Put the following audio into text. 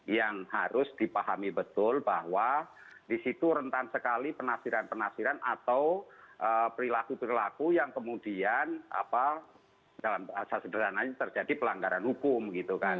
yang harus dipahami betul bahwa disitu rentan sekali penasiran penasiran atau perilaku perilaku yang kemudian apa dalam asal sederhana ini terjadi pelanggaran hukum gitu kan